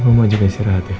mama juga istirahat ya